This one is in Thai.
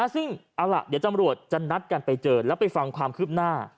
ซึ่งเอาล่ะเดี๋ยวตำรวจจะนัดกันไปเจอแล้วไปฟังความคืบหน้า